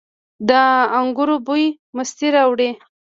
د انګورو بوی مستي راوړي.